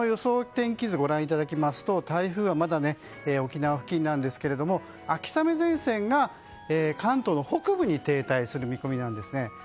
天気図をご覧いただきますと台風はまだ沖縄付近ですが秋雨前線が関東の北部に停滞する見込みなんです。